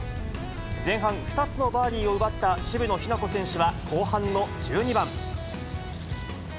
前半、２つのバーディーを奪った渋野日向子選手は後半の１２番。